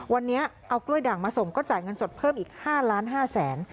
วันนี้เอากล้วยด่างมาส่งก็จ่ายเงินสดเพิ่มอีก๕ล้าน๕แสน